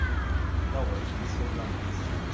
Flowers nació en Londres.